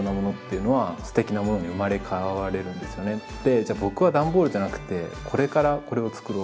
で「じゃあ僕は段ボールじゃなくてこれからこれを作ろう。